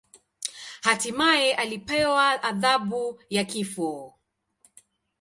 Hatimaye alipewa adhabu ya kifo.